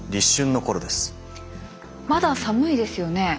まだ寒いですよね。